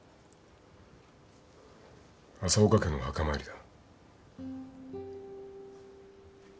浅岡家の墓参りだ。